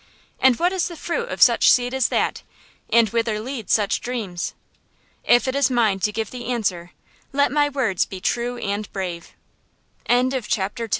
And what is the fruit of such seed as that, and whither lead such dreams? If it is mine to give the answer, let my words be true and brave. CHAPTER III BOTH THE